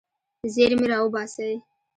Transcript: زیرمې راوباسئ.